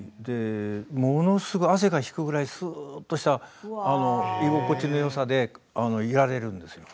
ものすごく汗が引くぐらい居心地のよさでいられるんですよ。